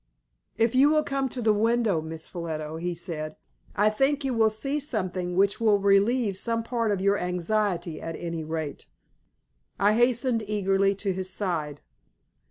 "If you will come to the window, Miss Ffolliot," he said, "I think you will see something which will relieve some part of your anxiety at any rate." I hastened eagerly to his side.